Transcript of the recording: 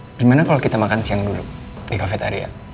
bagaimana kalau kita makan siang dulu di cafe tariah